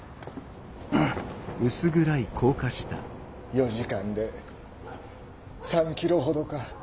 ４時間で３キロほどか。